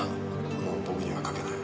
もう僕には描けない。